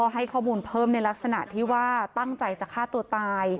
ให้ข้อมูลเพิ่มในลักษณะที่ว่าตั้งใจจะฆ่าตัวตาย